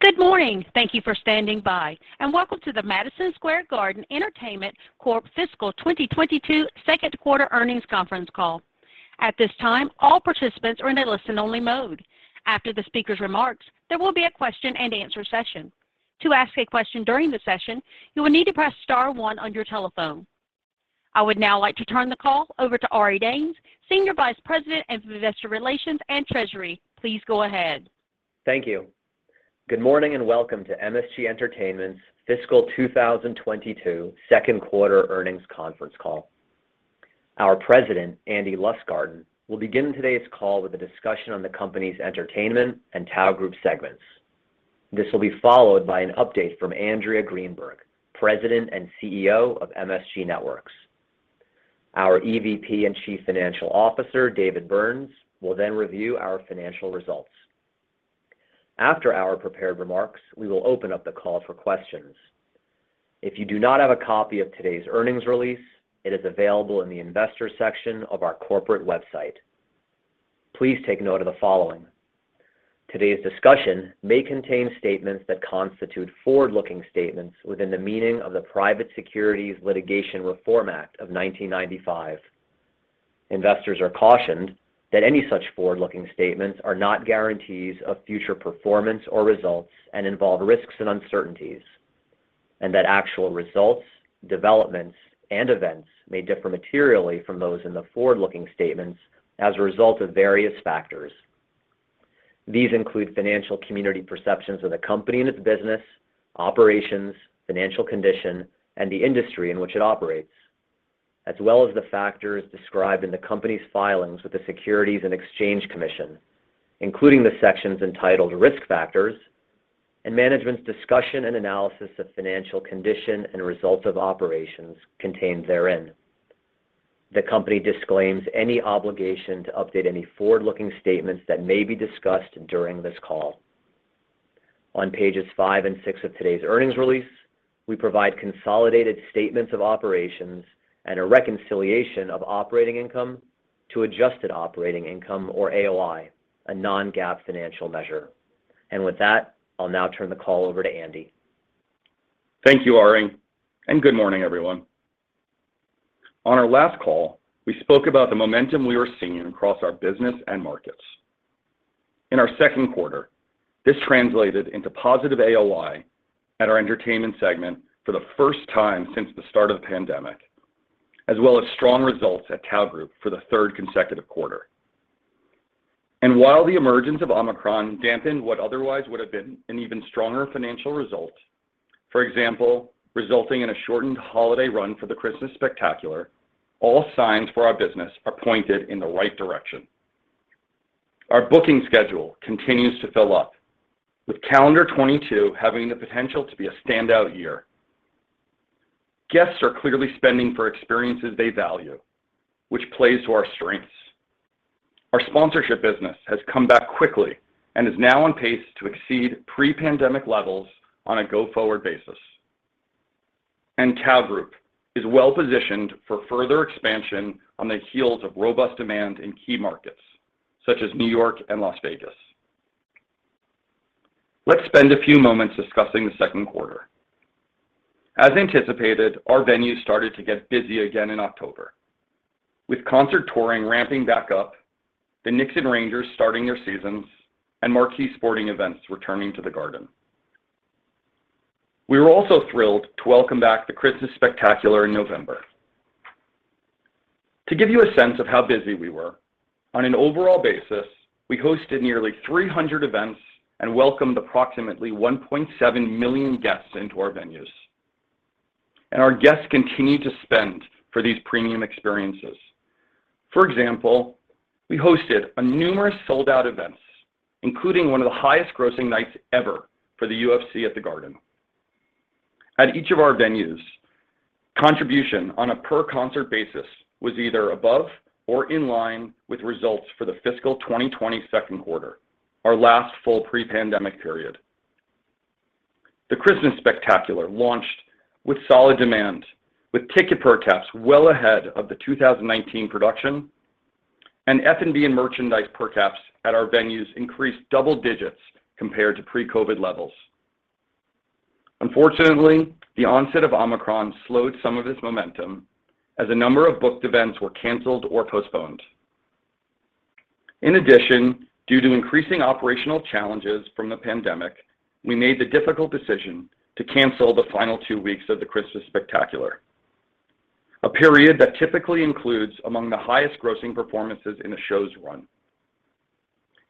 Good morning. Thank you for standing by, and welcome to the Madison Square Garden Entertainment Corp. Fiscal 2022 second quarter earnings conference call. At this time, all participants are in a listen-only mode. After the speaker's remarks, there will be a question-and-answer session. To ask a question during the session, you will need to press star one on your telephone. I would now like to turn the call over to Ari Danes, Senior Vice President of Investor Relations and Treasury. Please go ahead. Thank you. Good morning and welcome to MSG Entertainment's fiscal 2022 Q2 earnings conference call. Our President, Andy Lustgarten, will begin today's call with a discussion on the company's entertainment and Tao Group segments. This will be followed by an update from Andrea Greenberg, President and CEO of MSG Networks. Our EVP and Chief Financial Officer, David Byrnes, will then review our financial results. After our prepared remarks, we will open up the call for questions. If you do not have a copy of today's earnings release, it is available in the Investors section of our corporate website. Please take note of the following. Today's discussion may contain statements that constitute forward-looking statements within the meaning of the Private Securities Litigation Reform Act of 1995. Investors are cautioned that any such forward-looking statements are not guarantees of future performance or results and involve risks and uncertainties, and that actual results, developments, and events may differ materially from those in the forward-looking statements as a result of various factors. These include financial community perceptions of the company and its business, operations, financial condition, and the industry in which it operates, as well as the factors described in the company's filings with the Securities and Exchange Commission, including the sections entitled Risk Factors and Management's Discussion and Analysis of Financial Condition and Results of Operations contained therein. The company disclaims any obligation to update any forward-looking statements that may be discussed during this call. On pages 5 and 6 of today's earnings release, we provide consolidated statements of operations and a reconciliation of operating income to adjusted operating income or AOI, a non-GAAP financial measure. With that, I'll now turn the call over to Andy. Thank you, Ari, and good morning, everyone. On our last call, we spoke about the momentum we were seeing across our business and markets. In our Q2, this translated into positive AOI at our entertainment segment for the 1st time since the start of the pandemic, as well as strong results at Tao Group for the third consecutive quarter. While the emergence of Omicron dampened what otherwise would have been an even stronger financial result, for example, resulting in a shortened holiday run for the Christmas Spectacular, all signs for our business are pointed in the right direction. Our booking schedule continues to fill up, with calendar 2022 having the potential to be a standout year. Guests are clearly spending for experiences they value, which plays to our strengths. Our sponsorship business has come back quickly and is now on pace to exceed pre-pandemic levels on a go-forward basis. Tao Group is well-positioned for further expansion on the heels of robust demand in key markets, such as New York and Las Vegas. Let's spend a few moments discussing the Q2. As anticipated, our venues started to get busy again in October with concert touring ramping back up, the Knicks and Rangers starting their seasons, and marquee sporting events returning to the Garden. We were also thrilled to welcome back the Christmas Spectacular in November. To give you a sense of how busy we were, on an overall basis, we hosted nearly 300 events and welcomed approximately 1.7 million guests into our venues. Our guests continued to spend for these premium experiences. For example, we hosted numerous sold-out events, including one of the highest-grossing nights ever for the UFC at the Garden. At each of our venues, contribution on a per-concert basis was either above or in line with results for the fiscal 2022 quarter, our last full pre-pandemic period. The Christmas Spectacular launched with solid demand, with ticket per caps well ahead of the 2019 production, and F&B and merchandise per caps at our venues increased double digits compared to pre-COVID levels. Unfortunately, the onset of Omicron slowed some of this momentum as a number of booked events were canceled or postponed. In addition, due to increasing operational challenges from the pandemic, we made the difficult decision to cancel the final 2 weeks of the Christmas Spectacular, a period that typically includes among the highest-grossing performances in a show's run.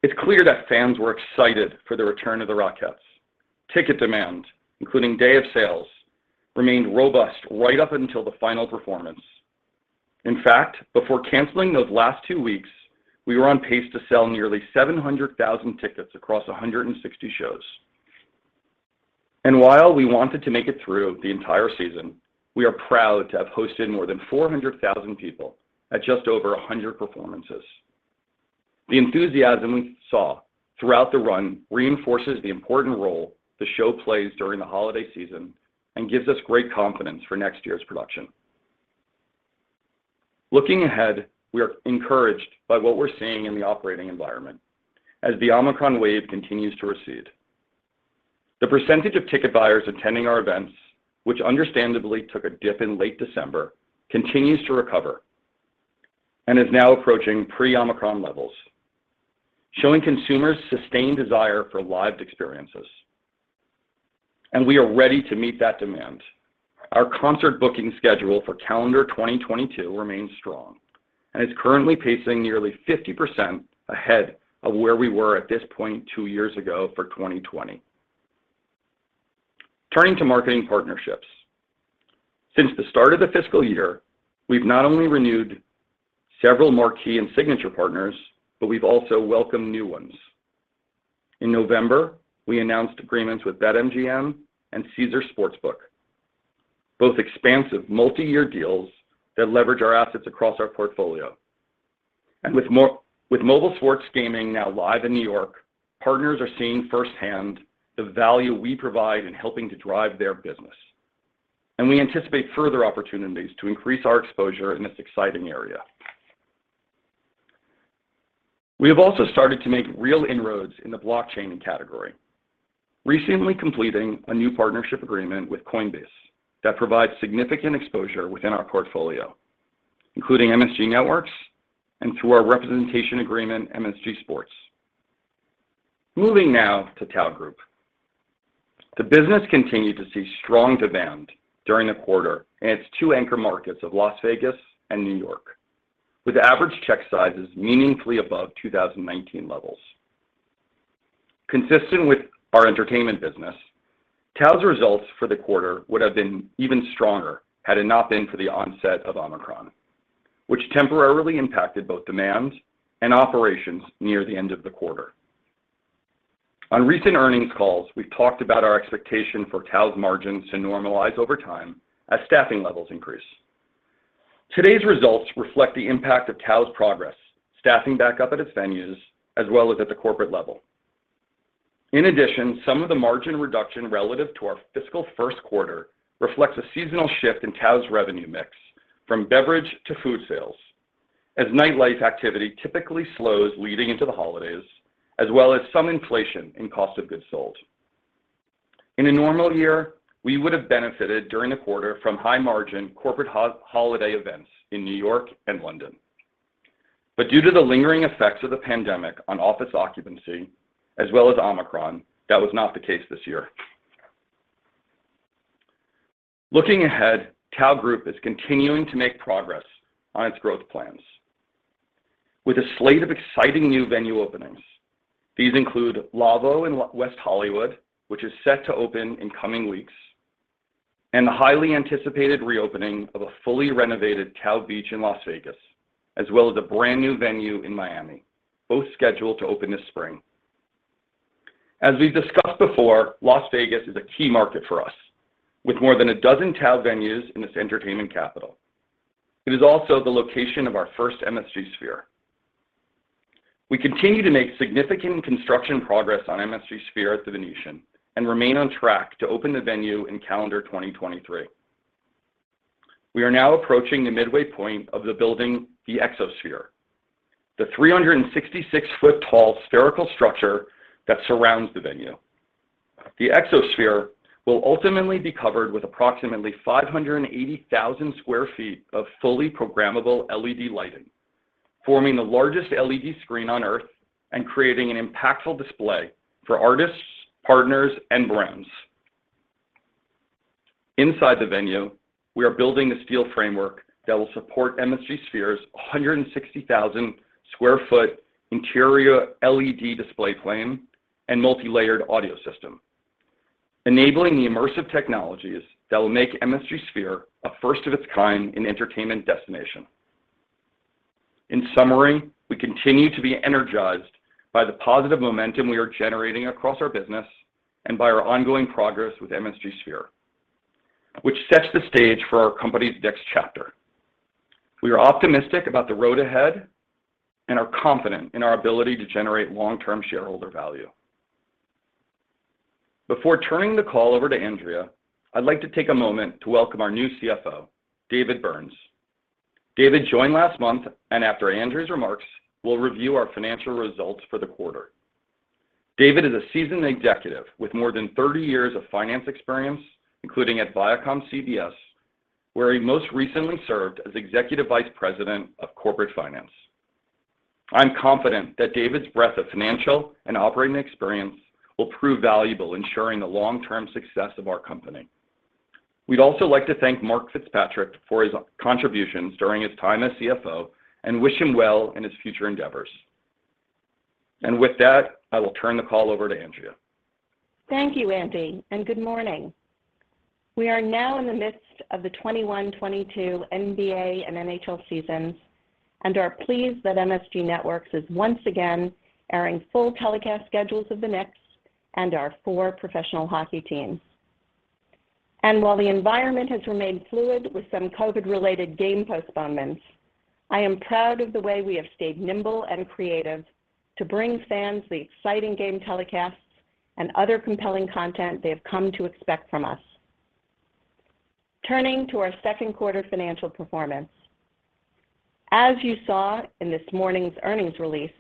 It's clear that fans were excited for the return of the Rockettes. Ticket demand, including day-of-sales, remained robust right up until the final performance. In fact, before canceling those last two weeks, we were on pace to sell nearly 700,000 tickets across 160 shows. While we wanted to make it through the entire season, we are proud to have hosted more than 400,000 people at just over 100 performances. The enthusiasm we saw throughout the run reinforces the important role the show plays during the holiday season and gives us great confidence for next year's production. Looking ahead, we are encouraged by what we're seeing in the operating environment as the Omicron wave continues to recede. The percentage of ticket buyers attending our events, which understandably took a dip in late December, continues to recover and is now approaching pre-Omicron levels, showing consumers' sustained desire for lived experiences, and we are ready to meet that demand. Our concert booking schedule for calendar 2022 remains strong and is currently pacing nearly 50% ahead of where we were at this point 2 years ago for 2020. Turning to marketing partnerships. Since the start of the fiscal year, we've not only renewed several marquee and signature partners, but we've also welcomed new ones. In November, we announced agreements with BetMGM and Caesars Sportsbook, both expansive multiyear deals that leverage our assets across our portfolio. With mobile sports gaming now live in New York, partners are seeing firsthand the value we provide in helping to drive their business. We anticipate further opportunities to increase our exposure in this exciting area. We have also started to make real inroads in the blockchain category, recently completing a new partnership agreement with Coinbase that provides significant exposure within our portfolio, including MSG Networks and, through our representation agreement, MSG Sports. Moving now to TAO Group. The business continued to see strong demand during the quarter in its to anchor markets of Las Vegas and New York, with average check sizes meaningfully above 2019 levels. Consistent with our entertainment business, TAO's results for the quarter would have been even stronger had it not been for the onset of Omicron, which temporarily impacted both demand and operations near the end of the quarter. On recent earnings calls, we've talked about our expectation for TAO's margins to normalize over time as staffing levels increase. Today's results reflect the impact of TAO's progress, staffing back up at its venues as well as at the corporate level. In addition, some of the margin reduction relative to our fiscal Q1 reflects a seasonal shift in TAO's revenue mix from beverage to food sales as nightlife activity typically slows leading into the holidays, as well as some inflation in cost of goods sold. In a normal year, we would have benefited during the quarter from high-margin corporate holiday events in New York and London. Due to the lingering effects of the pandemic on office occupancy as well as Omicron, that was not the case this year. Looking ahead, TAO Group is continuing to make progress on its growth plans with a slate of exciting new venue openings. These include LAVO in West Hollywood, which is set to open in coming weeks, and the highly anticipated reopening of a fully renovated TAO Beach in Las Vegas, as well as a brand-new venue in Miami, both scheduled to open this spring. As we've discussed before, Las Vegas is a key market for us. With more than a dozen TAO venues in its entertainment capital, it is also the location of our 1st MSG Sphere. We continue to make significant construction progress on MSG Sphere at The Venetian and remain on track to open the venue in calendar 2023. We are now approaching the midway point of building the Exosphere, the 366-foot-tall spherical structure that surrounds the venue. The Exosphere will ultimately be covered with approximately 580,000 sq ft of fully programmable LED lighting, forming the largest LED screen on Earth and creating an impactful display for artists, partners, and brands. Inside the venue, we are building the steel framework that will support Sphere's 160,000 sq ft interior LED display plane and multilayered audio system, enabling the immersive technologies that will make Sphere a 1st-of-its-kind in entertainment destination. In summary, we continue to be energized by the positive momentum we are generating across our business and by our ongoing progress with Sphere, which sets the stage for our company's next chapter. We are optimistic about the road ahead and are confident in our ability to generate long-term shareholder value. Before turning the call over to Andrea, I'd like to take a moment to welcome our new CFO, David Byrnes. David joined last month, and after Andrea's remarks, will review our financial results for the quarter. David is a seasoned executive with more than 30 years of finance experience, including at ViacomCBS, where he most recently served as Executive Vice President of Corporate Finance. I'm confident that David's breadth of financial and operating experience will prove valuable ensuring the long-term success of our company. We'd also like to thank Mark Fitzpatrick for his contributions during his time as CFO and wish him well in his future endeavors. With that, I will turn the call over to Andrea. Thank you, Andy, and good morning. We are now in the midst of the 2021-2022 NBA and NHL seasons and are pleased that MSG Networks is once again airing full telecast schedules of the Knicks and our four professional hockey teams. While the environment has remained fluid with some COVID-related game postponements, I am proud of the way we have stayed nimble and creative to bring fans the exciting game telecasts and other compelling content they have come to expect from us. Turning to our Q2 financial performance. As you saw in this morning's earnings release,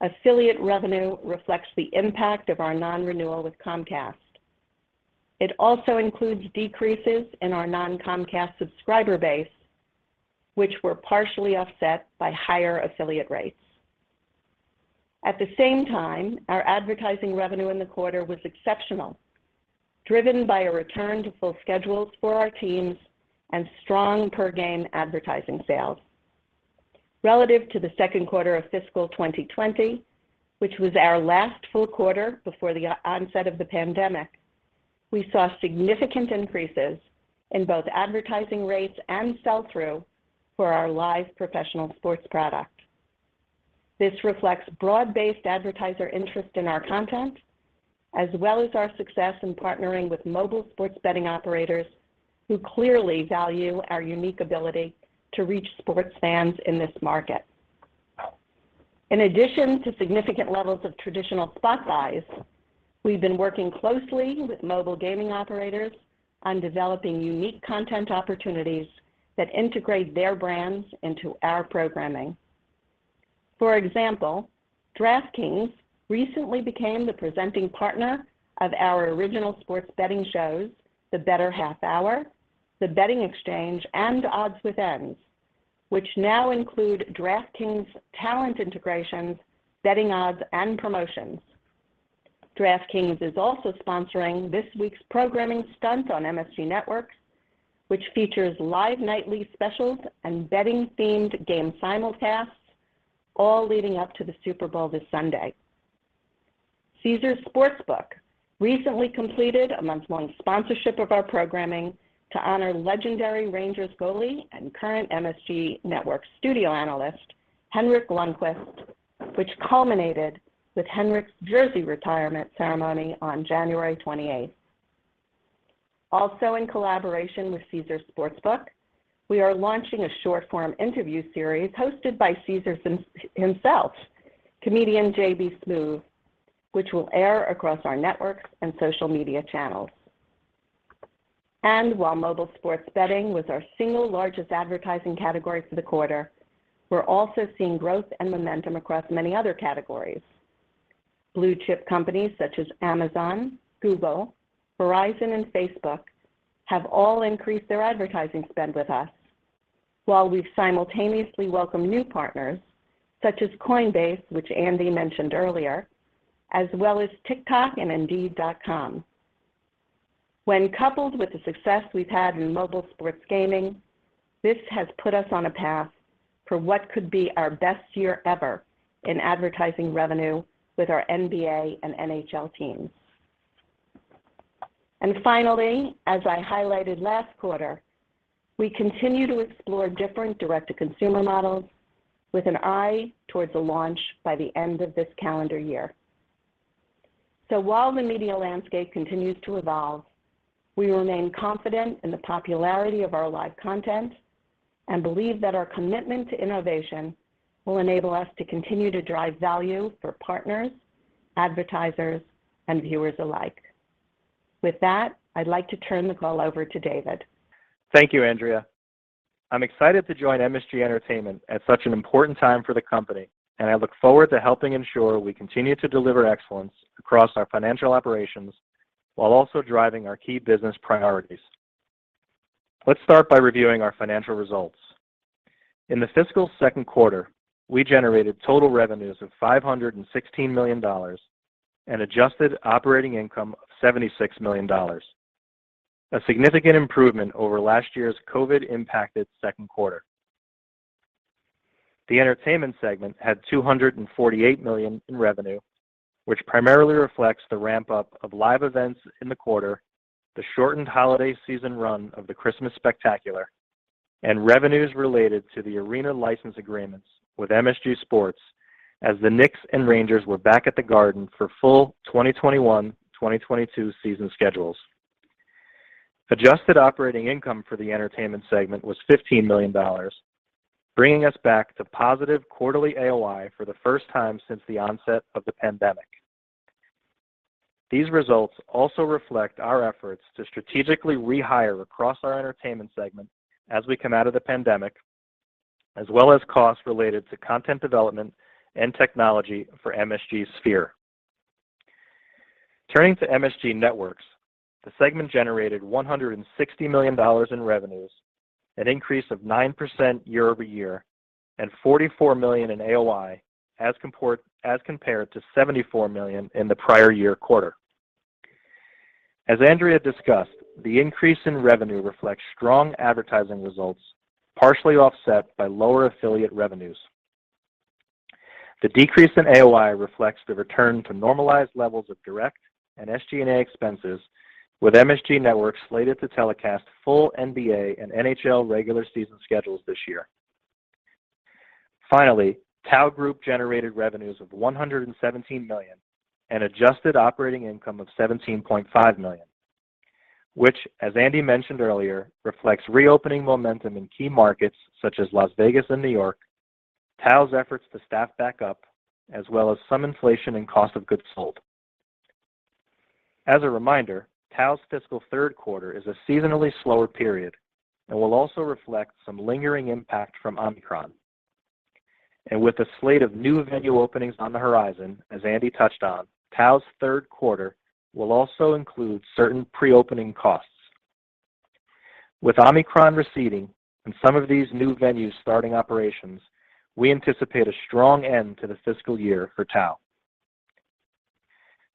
affiliate revenue reflects the impact of our non-renewal with Comcast. It also includes decreases in our non-Comcast subscriber base, which were partially offset by higher affiliate rates. At the same time, our advertising revenue in the quarter was exceptional, driven by a return to full schedules for our teams and strong per game advertising sales. Relative to the Q2 of fiscal 2020, which was our last full quarter before the onset of the pandemic, we saw significant increases in both advertising rates and sell through for our live professional sports product. This reflects broad-based advertiser interest in our content, as well as our success in partnering with mobile sports betting operators who clearly value our unique ability to reach sports fans in this market. In addition to significant levels of traditional spot buys, we've been working closely with mobile gaming operators on developing unique content opportunities that integrate their brands into our programming. For example, DraftKings recently became the presenting partner of our original sports betting shows, The Bettor Half Hour, The Betting Exchange, and Odds with Ends, which now include DraftKings talent integrations, betting odds, and promotions. DraftKings is also sponsoring this week's programming stunt on MSG Networks, which features live nightly specials and betting-themed game simulcasts, all leading up to the Super Bowl this Sunday. Caesars Sportsbook recently completed a month-long sponsorship of our programming to honor legendary Rangers goalie and current MSG Networks studio analyst Henrik Lundqvist, which culminated with Henrik's jersey retirement ceremony on January 28th. Also, in collaboration with Caesars Sportsbook, we are launching a short-form interview series hosted by Caesars himself, comedian JB Smoove, which will air across our networks and social media channels. While mobile sports betting was our single largest advertising category for the quarter, we're also seeing growth and momentum across many other categories. Blue-chip companies such as Amazon, Google, Verizon, and Facebook have all increased their advertising spend with us, while we've simultaneously welcomed new partners such as Coinbase, which Andy mentioned earlier, as well as TikTok and indeed.com. When coupled with the success we've had in mobile sports gaming, this has put us on a path for what could be our best year ever in advertising revenue with our NBA and NHL teams. Finally, as I highlighted last quarter, we continue to explore different direct-to-consumer models with an eye towards the launch by the end of this calendar year. While the media landscape continues to evolve, we remain confident in the popularity of our live content and believe that our commitment to innovation will enable us to continue to drive value for partners, advertisers, and viewers alike. With that, I'd like to turn the call over to David. Thank you, Andrea. I'm excited to join MSG Entertainment at such an important time for the company, and I look forward to helping ensure we continue to deliver excellence across our financial operations while also driving our key business priorities. Let's start by reviewing our financial results. In the fiscal Q2, we generated total revenues of $516 million and adjusted operating income of $76 million, a significant improvement over last year's COVID-impacted Q2. The Entertainment segment had $248 million in revenue, which primarily reflects the ramp-up of live events in the quarter, the shortened holiday season run of the Christmas Spectacular, and revenues related to the arena license agreements with MSG Sports as the Knicks and Rangers were back at the Garden for full 2021/2022 season schedules. Adjusted operating income for the entertainment segment was $15 million, bringing us back to positive quarterly AOI for the 1st time since the onset of the pandemic. These results also reflect our efforts to strategically rehire across our entertainment segment as we come out of the pandemic, as well as costs related to content development and technology for MSG Sphere. Turning to MSG Networks, the segment generated $160 million in revenues, an increase of 9% year-over-year, and $44 million in AOI as compared to $74 million in the prior year quarter. As Andrea discussed, the increase in revenue reflects strong advertising results, partially offset by lower affiliate revenues. The decrease in AOI reflects the return to normalized levels of direct and SG&A expenses, with MSG Networks slated to telecast full NBA and NHL regular season schedules this year. Finally, Tao Group generated revenues of $117 million and adjusted operating income of $17.5 million, which, as Andy mentioned earlier, reflects reopening momentum in key markets such as Las Vegas and New York, Tao's efforts to staff back up, as well as some inflation in cost of goods sold. As a reminder, Tao's fiscal Q3 is a seasonally slower period and will also reflect some lingering impact from Omicron. With a slate of new venue openings on the horizon, as Andy touched on, Tao's Q3 will also include certain pre-opening costs. With Omicron receding and some of these new venues starting operations, we anticipate a strong end to the fiscal year for Tao.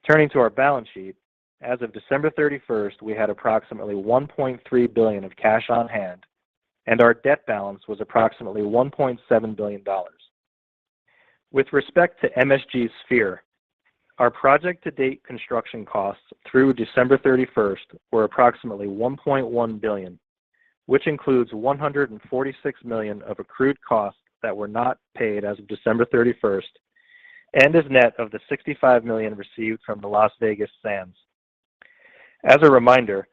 Turning to our balance sheet, as of December 31ST, we had approximately $1.3 billion of cash on hand, and our debt balance was approximately $1.7 billion. With respect to MSG Sphere, our project to date construction costs through December 31 were approximately $1.1 billion, which includes $146 million of accrued costs that were not paid as of December 31ST and is net of the $65 million received from the Las Vegas Sands. As a reminder,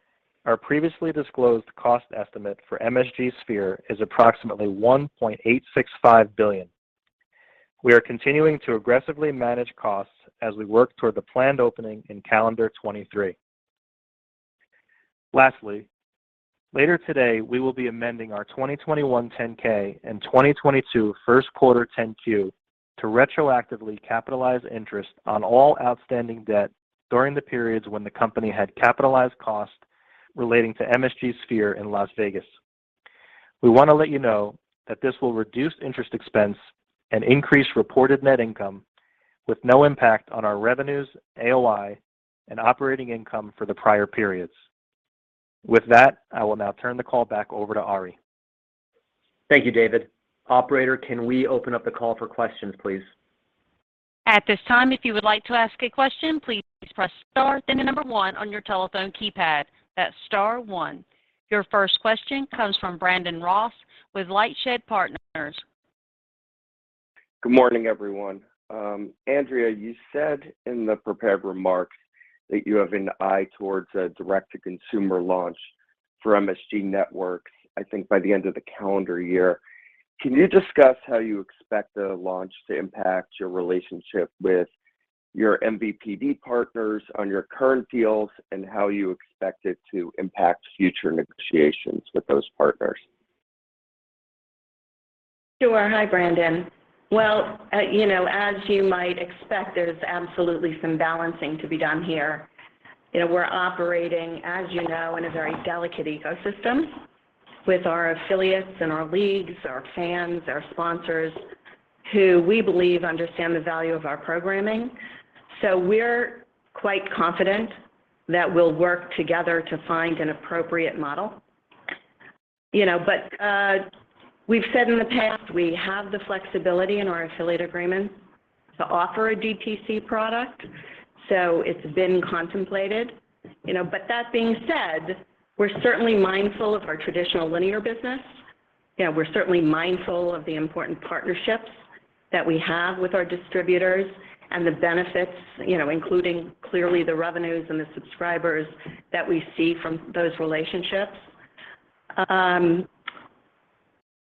our previously disclosed cost estimate for MSG Sphere is approximately $1.865 billion. We are continuing to aggressively manage costs as we work toward the planned opening in calendar 2023. Lastly, later today, we will be amending our 2021 10-K and 2022 Q1 10-Q to retroactively capitalize interest on all outstanding debt during the periods when the company had capitalized costs relating to MSG Sphere in Las Vegas. We want to let you know that this will reduce interest expense and increase reported net income with no impact on our revenues, AOI, and operating income for the prior periods. With that, I will now turn the call back over to Ari. Thank you, David. Operator, can we open up the call for questions, please? At this time, if you would like to ask a question, please press star, then the number one on your telephone keypad. That's star one. Your 1st question comes from Brandon Ross with LightShed Partners. Good morning, everyone. Andrea, you said in the prepared remarks that you have an eye towards a direct-to-consumer launch for MSG Networks, I think by the end of the calendar year. Can you discuss how you expect the launch to impact your relationship with your MVPD partners on your current deals and how you expect it to impact future negotiations with those partners? Sure. Hi, Brandon. Well, you know, as you might expect, there's absolutely some balancing to be done here. You know, we're operating, as you know, in a very delicate ecosystem with our affiliates and our leagues, our fans, our sponsors, who we believe understand the value of our programming. We're quite confident that we'll work together to find an appropriate model. You know, we've said in the past, we have the flexibility in our affiliate agreement to offer a DTC product, so it's been contemplated. You know, but that being said, we're certainly mindful of our traditional linear business. You know, we're certainly mindful of the important partnerships that we have with our distributors and the benefits, you know, including clearly the revenues and the subscribers that we see from those relationships.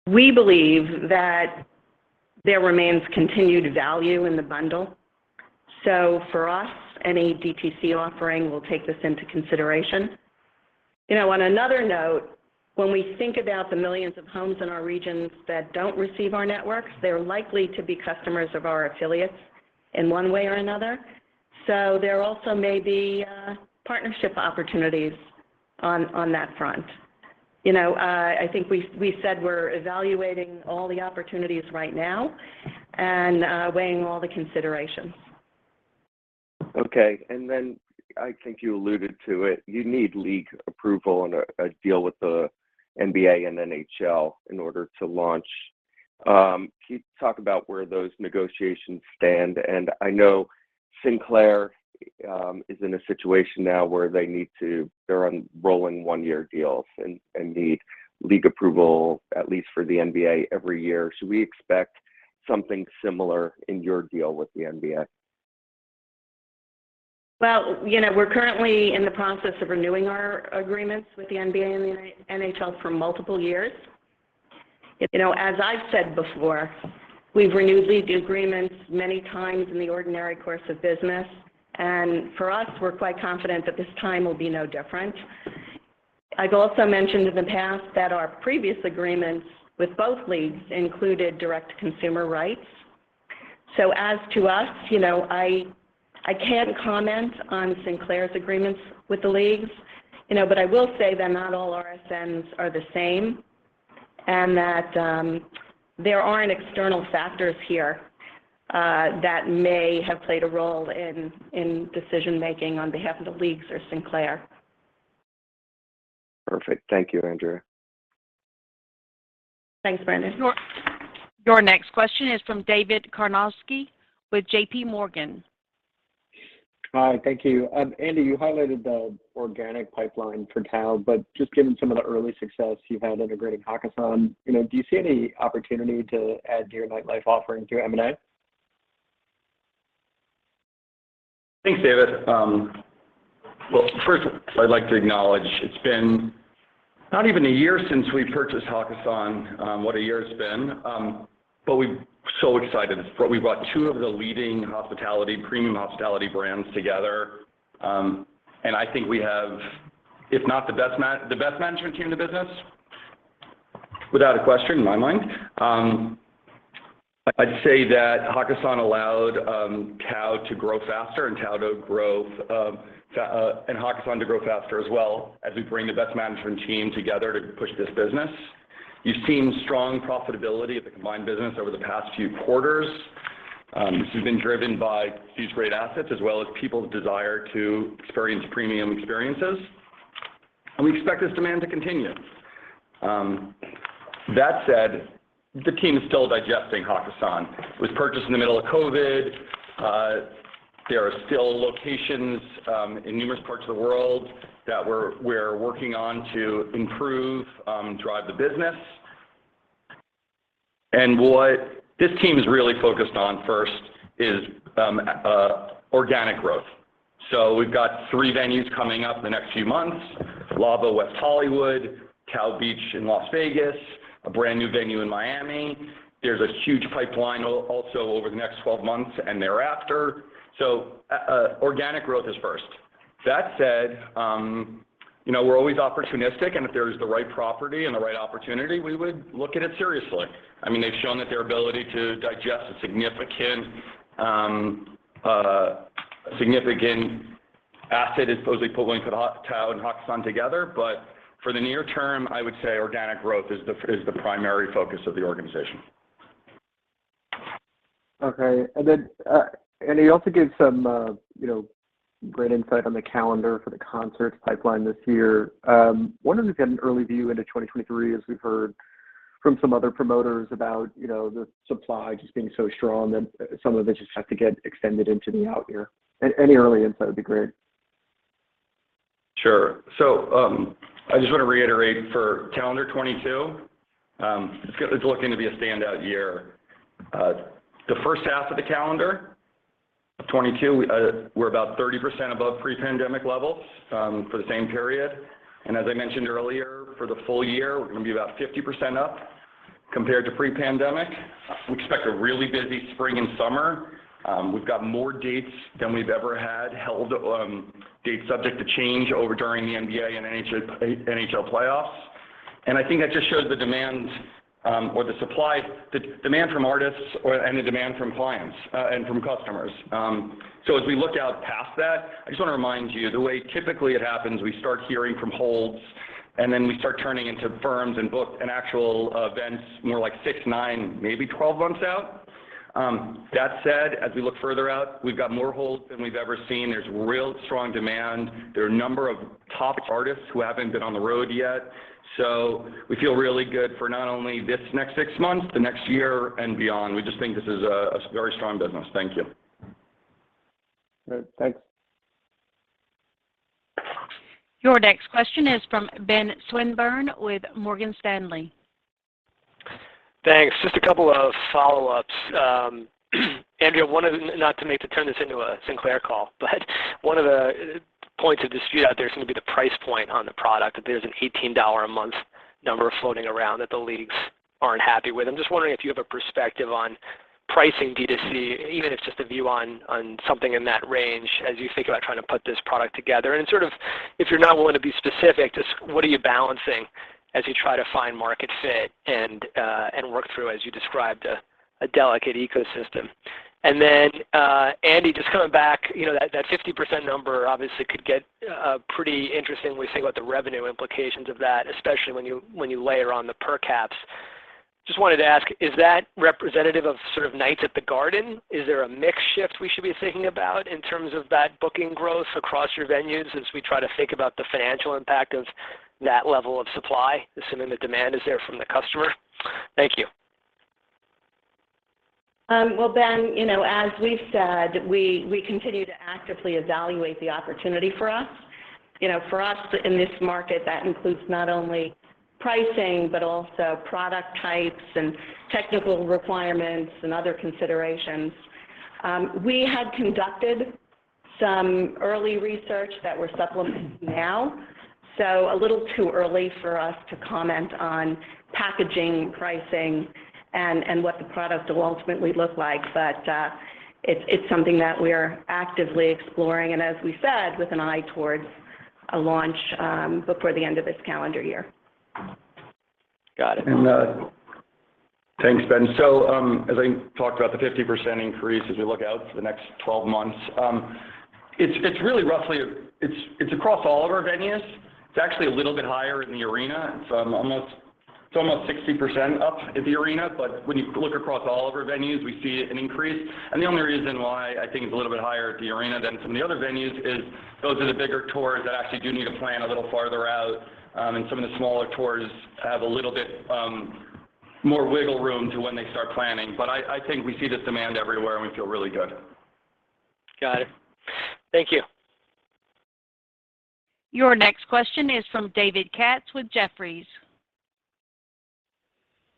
We believe that there remains continued value in the bundle. For us, any DTC offering will take this into consideration. You know, on another note, when we think about the millions of homes in our regions that don't receive our networks, they're likely to be customers of our affiliates in one way or another. There also may be partnership opportunities on that front. You know, I think we said we're evaluating all the opportunities right now and weighing all the considerations. Okay. Then I think you alluded to it, you need league approval and a deal with the NBA and NHL in order to launch. Can you talk about where those negotiations stand? I know Sinclair is in a situation now where they're on rolling one-year deals and need league approval, at least for the NBA every year. Should we expect something similar in your deal with the NBA? Well, you know, we're currently in the process of renewing our agreements with the NBA and the NHL for multiple years. You know, as I've said before, we've renewed league agreements many times in the ordinary course of business, and for us, we're quite confident that this time will be no different. I've also mentioned in the past that our previous agreements with both leagues included direct consumer rights. As for us, you know, I can't comment on Sinclair's agreements with the leagues, you know, but I will say that not all RSNs are the same and that there aren't external factors here that may have played a role in decision-making on behalf of the leagues or Sinclair. Perfect. Thank you, Andrea. Thanks, Brandon. Your next question is from David Karnovsky with JPMorgan. Hi. Thank you. Andy, you highlighted the organic pipeline for Tao, but just given some of the early success you've had integrating Hakkasan, you know, do you see any opportunity to add to your nightlife offering through M&A? Thanks, David. Well 1st I'd like to acknowledge it's been not even a year since we purchased Hakkasan, what a year it's been. We're so excited. We brought two of the leading hospitality, premium hospitality brands together. I think we have, if not the best management team in the business, without a question in my mind. I'd say that Hakkasan allowed TAO to grow faster and Hakkasan to grow faster as well as we bring the best management team together to push this business. You've seen strong profitability of the combined business over the past few quarters, which has been driven by these great assets as well as people's desire to experience premium experiences, and we expect this demand to continue. That said, the team is still digesting Hakkasan. It was purchased in the middle of COVID. There are still locations in numerous parts of the world that we're working on to improve, drive the business. What this team is really focused on 1st is organic growth. We've got 3 venues coming up in the next few months. LAVO West Hollywood, TAO Beach in Las Vegas, a brand new venue in Miami. There's a huge pipeline also over the next 12 months and thereafter. Organic growth is 1st. That said, you know, we're always opportunistic, and if there's the right property and the right opportunity, we would look at it seriously. I mean, they've shown that their ability to digest a significant asset is supposedly pulling TAO and Hakkasan together. For the near term, I would say organic growth is the primary focus of the organization. Okay. You also gave some, you know, great insight on the calendar for the concerts pipeline this year. I was wondering if you had an early view into 2023 as we've heard from some other promoters about, you know, the supply just being so strong that some of it just has to get extended into the out year. Any early insight would be great. Sure. I just want to reiterate for calendar 2022, it's looking to be a standout year. The H1 of the calendar of 2022, we're about 30% above pre-pandemic levels, for the same period. As I mentioned earlier, for the full year, we're going to be about 50% up compared to pre-pandemic. We expect a really busy spring and summer. We've got more dates than we've ever had held dates subject to change over during the NBA and NHL playoffs. I think that just shows the demand, or the supply, the demand from artists and the demand from clients, and from customers. As we look out past that, I just want to remind you the way typically it happens, we start hearing from holds, and then we start turning into firms and book and actual events more like 6, 9, maybe 12 months out. That said, as we look further out, we've got more holds than we've ever seen. There's real strong demand. There are a number of top artists who haven't been on the road yet. We feel really good for not only this next 6 months, the next year and beyond. We just think this is a very strong business. Thank you. All right. Thanks. Your next question is from Ben Swinburne with Morgan Stanley. Thanks. Just a couple of follow-ups. Andrea, not to make or turn this into a Sinclair call, but one of the points of dispute out there is going to be the price point on the product. There's an $18-a-month number floating around that the leagues aren't happy with. I'm just wondering if you have a perspective on pricing D2C, even if it's just a view on something in that range as you think about trying to put this product together. Sort of if you're not willing to be specific, just what are you balancing as you try to find market fit and work through, as you described, a delicate ecosystem. Andy, just coming back, you know, that 50% number obviously could get pretty interesting when you think about the revenue implications of that, especially when you layer on the per caps. Just wanted to ask, is that representative of sort of nights at the Garden? Is there a mix shift we should be thinking about in terms of that booking growth across your venues as we try to think about the financial impact of that level of supply, assuming the demand is there from the customer? Thank you. Well, Ben, you know, as we've said, we continue to actively evaluate the opportunity for us. You know, for us in this market, that includes not only pricing, but also product types and technical requirements and other considerations. We had conducted some early research that we're supplementing now, so a little too early for us to comment on packaging, pricing, and what the product will ultimately look like. It's something that we're actively exploring, and as we said, with an eye towards a launch before the end of this calendar year. Got it. Thanks, Ben. As I talked about the 50% increase as we look out for the next 12 months, it's really roughly across all of our venues. It's actually a little bit higher in the arena. It's almost 60% up in the arena. But when you look across all of our venues, we see an increase. The only reason why I think it's a little bit higher at the arena than some of the other venues is those are the bigger tours that actually do need to plan a little farther out, and some of the smaller tours have a little bit more wiggle room to when they start planning. I think we see this demand everywhere, and we feel really good. Got it. Thank you. Your next question is from David Katz with Jefferies.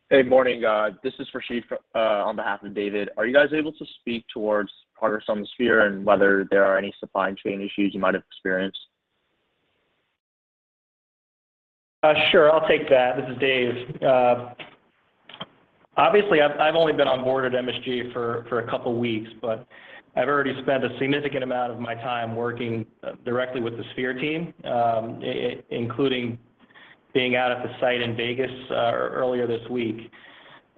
Hey, morning, this is Rashif, on behalf of David. Are you guys able to speak towards progress on Sphere and whether there are any supply chain issues you might have experienced? Sure. I'll take that. This is Dave. Obviously I've only been on board at MSG for a couple of weeks, but I've already spent a significant amount of my time working directly with the Sphere team, including being out at the site in Vegas earlier this week.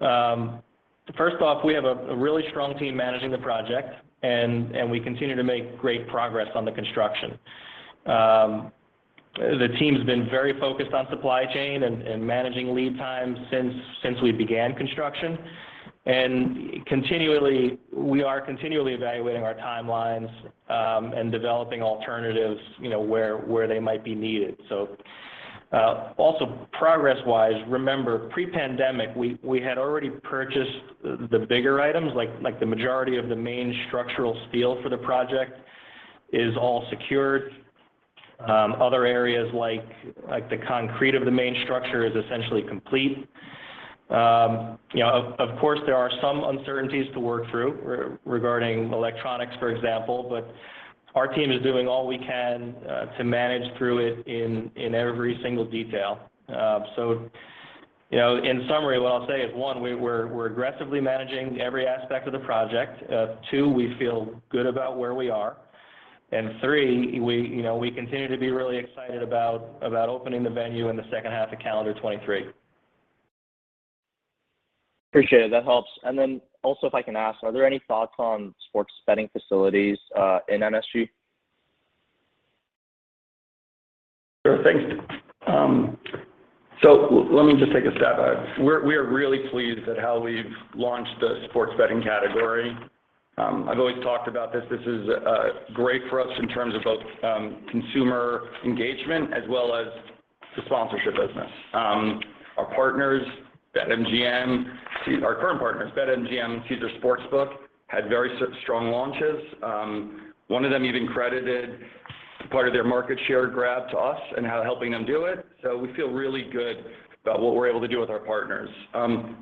1st off, we have a really strong team managing the project and we continue to make great progress on the construction. The team's been very focused on supply chain and managing lead times since we began construction. We are continually evaluating our timelines and developing alternatives, you know, where they might be needed. Also progress-wise, remember pre-pandemic, we had already purchased the bigger items like the majority of the main structural steel for the project is all secured. Other areas like the concrete of the main structure is essentially complete. You know, of course there are some uncertainties to work through regarding electronics, for example, but our team is doing all we can to manage through it in every single detail. You know, in summary, what I'll say is one, we're aggressively managing every aspect of the project. Two, we feel good about where we are. 3, you know, we continue to be really excited about opening the venue in the H2 of calendar 2023. Appreciate it. That helps. If I can ask, are there any thoughts on sports betting facilities in MSG? Sure. Thanks. So let me just take a stab at it. We are really pleased at how we've launched the sports betting category. I've always talked about this. This is great for us in terms of both consumer engagement as well as the sponsorship business. Our partners, BetMGM, our current partners, BetMGM, Caesars Sportsbook, had very strong launches. One of them even credited part of their market share grab to us and helping them do it. We feel really good about what we're able to do with our partners.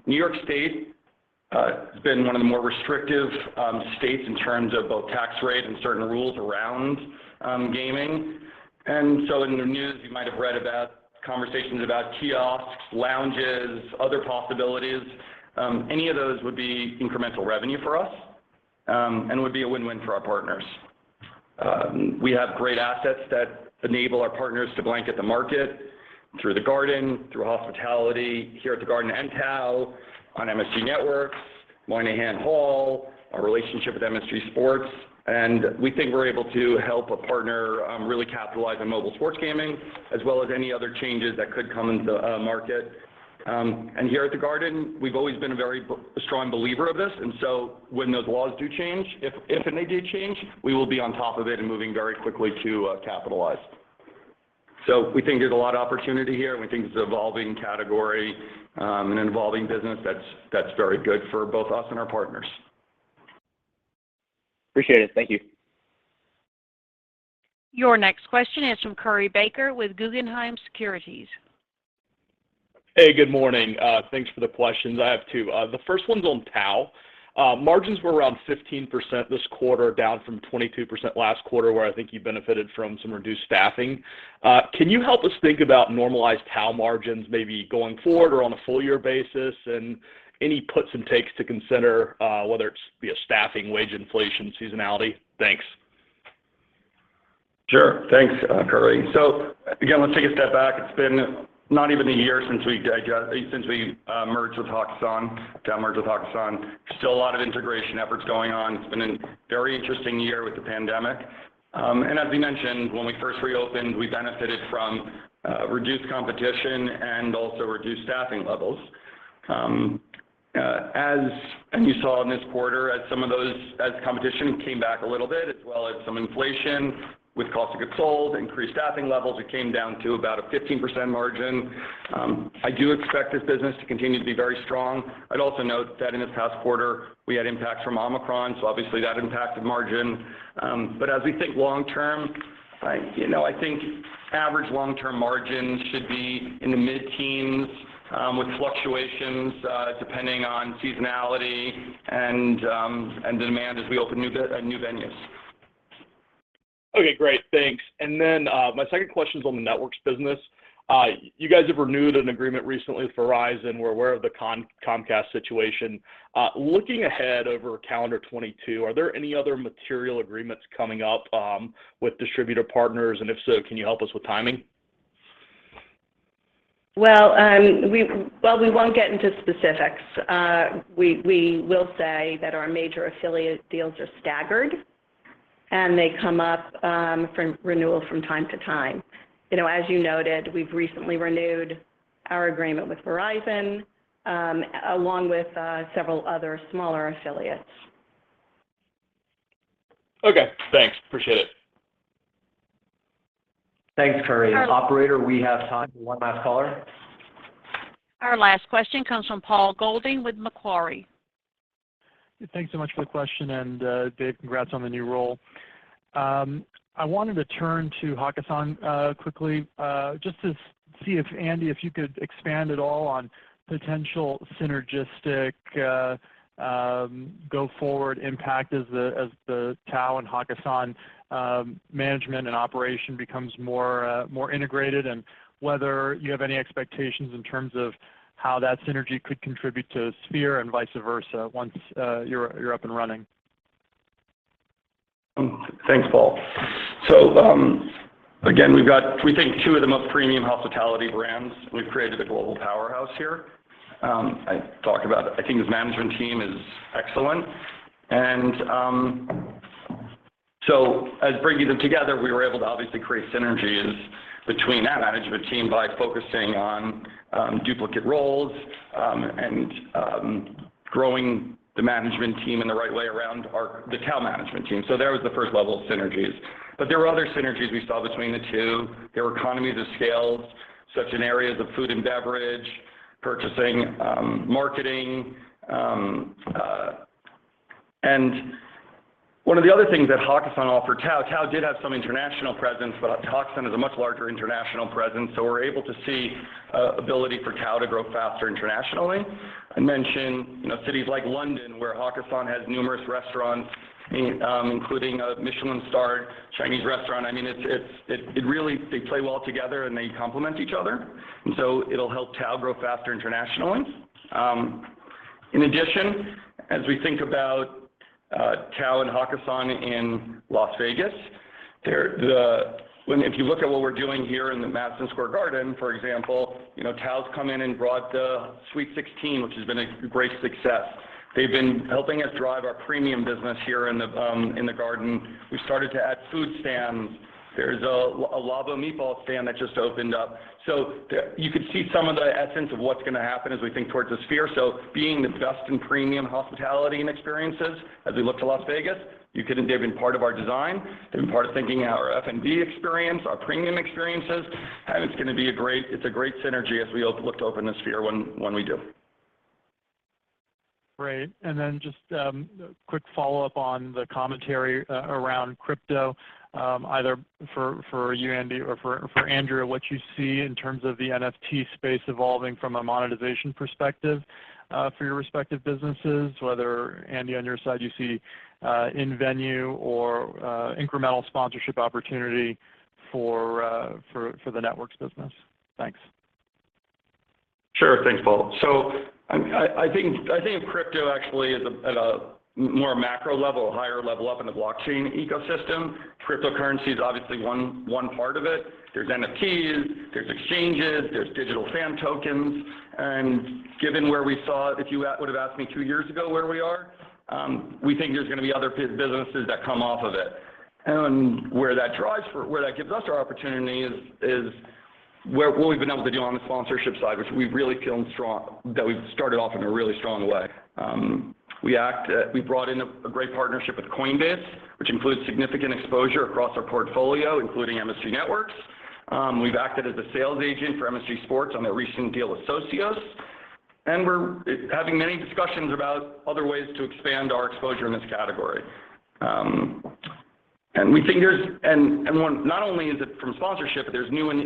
New York State has been one of the more restrictive states in terms of both tax rate and certain rules around gaming. In the news, you might have read about conversations about kiosks, lounges, other possibilities. Any of those would be incremental revenue for us, and would be a win-win for our partners. We have great assets that enable our partners to blanket the market through The Garden, through hospitality here at The Garden and Tao, on MSG Networks, Moynihan Train Hall, our relationship with MSG Sports. We think we're able to help a partner really capitalize on mobile sports gaming, as well as any other changes that could come into market. Here at The Garden, we've always been a very strong believer of this. When those laws do change, if and they do change, we will be on top of it and moving very quickly to capitalize. We think there's a lot of opportunity here, and we think it's an evolving category, an evolving business that's very good for both us and our partners. Appreciate it. Thank you. Your next question is from Curry Baker with Guggenheim Securities. Hey, good morning. Thanks for the questions. I have 2. The 1st one's on Tao. Margins were around 15% this quarter, down from 22% last quarter, where I think you benefited from some reduced staffing. Can you help us think about normalized Tao margins maybe going forward or on a full year basis? Any puts and takes to consider, whether it's staffing, wage inflation, seasonality? Thanks. Sure. Thanks, Curry. Again, let's take a step back. It's been not even a year since we merged with Hawks Son. Still a lot of integration efforts going on. It's been a very interesting year with the pandemic. As we mentioned, when we 1st reopened, we benefited from reduced competition and also reduced staffing levels. You saw in this quarter as competition came back a little bit, as well as some inflation with cost of goods sold, increased staffing levels, it came down to about a 15% margin. I do expect this business to continue to be very strong. I'd also note that in this past quarter, we had impacts from Omicron, so obviously that impacted margin. As we think long term, I, you know, I think average long-term margins should be in the mid-teens%, with fluctuations depending on seasonality and demand as we open new venues. Okay, great. Thanks. My 2nd question is on the Networks business. You guys have renewed an agreement recently with Verizon. We're aware of the Comcast situation. Looking ahead over calendar 2022, are there any other material agreements coming up with distributor partners? If so, can you help us with timing? We won't get into specifics. We will say that our major affiliate deals are staggered, and they come up for renewal from time to time. You know, as you noted, we've recently renewed our agreement with Verizon, along with several other smaller affiliates. Okay, thanks. Appreciate it. Thanks, Curry. Our- Operator, we have time for one last caller. Our last question comes from Paul Golding with Macquarie. Thanks so much for the question, and Dave, congrats on the new role. I wanted to turn to Hakkasan quickly, just to see if, Andy, if you could expand at all on potential synergistic, go-forward impact as the TAO and Hakkasan management and operation becomes more integrated and whether you have any expectations in terms of how that synergy could contribute to Sphere and vice versa once you're up and running. Thanks, Paul. Again, we've got, we think, 2 of the most premium hospitality brands. We've created a global powerhouse here. I talked about it. I think this management team is excellent. As bringing them together, we were able to obviously create synergies between that management team by focusing on duplicate roles and growing the management team in the right way around our TAO management team. There was the 1st level of synergies. There were other synergies we saw between the 2. There were economies of scale, such as in areas of food and beverage, purchasing, marketing. One of the other things that Hakkasan offered TAO did have some international presence, but Hakkasan has a much larger international presence, so we're able to see an ability for TAO to grow faster internationally. I mentioned, you know, cities like London, where Hakkasan has numerous restaurants in, including a Michelin-starred Chinese restaurant. I mean, it really, they play well together, and they complement each other. It'll help TAO grow faster internationally. In addition, as we think about TAO and Hakkasan in Las Vegas, if you look at what we're doing here in the Madison Square Garden, for example, you know, TAO's come in and brought the Suite 16, which has been a great success. They've been helping us drive our premium business here in the Garden. We started to add food stands. There's a LAVO meatball stand that just opened up. You could see some of the essence of what's going to happen as we think towards the Sphere. Being the best in premium hospitality and experiences as we look to Las Vegas, you could engage in part of our design and part of thinking our F&B experience, our premium experiences, and it's going to be a great synergy as we look to open the Sphere when we do. Great. Just a quick follow-up on the commentary around crypto, either for you, Andy, or for Andrea, what you see in terms of the NFT space evolving from a monetization perspective, for your respective businesses, whether, Andy, on your side you see in venue or incremental sponsorship opportunity for the networks business? Thanks. Sure. Thanks, Paul. I think of crypto actually as at a more macro level, a higher level up in the blockchain ecosystem. Cryptocurrency is obviously one part of it. There's NFTs, there's exchanges, there's digital fan tokens, and given where we saw it, if you would have asked me two years ago where we are, we think there's going to be other businesses that come off of it. Where that gives us our opportunity is what we've been able to do on the sponsorship side, which we're really feeling strong, that we've started off in a really strong way. We brought in a great partnership with Coinbase, which includes significant exposure across our portfolio, including MSG Networks. We've acted as a sales agent for MSG Sports on their recent deal with Socios. We're having many discussions about other ways to expand our exposure in this category. We think not only is it from sponsorship, but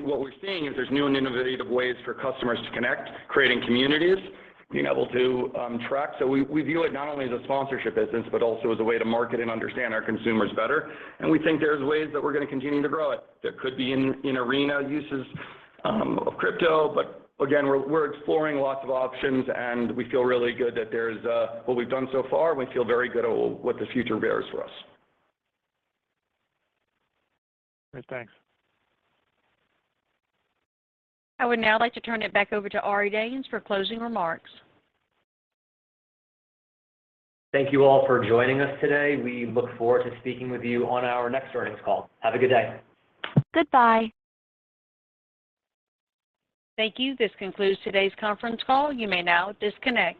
what we're seeing is there's new and innovative ways for customers to connect, creating communities, being able to track. We view it not only as a sponsorship business, but also as a way to market and understand our consumers better. We think there's ways that we're going to continue to grow it. There could be in arena uses of crypto, but again, we're exploring lots of options, and we feel really good that there's what we've done so far, and we feel very good at what the future bears for us. Great. Thanks. I would now like to turn it back over to Ari Danes for closing remarks. Thank you all for joining us today. We look forward to speaking with you on our next earnings call. Have a good day. Goodbye. Thank you. This concludes today's conference call. You may now disconnect.